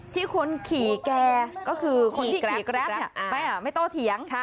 คนขี่แกก็คือคนที่ขี่แกรปไม่โตเถียง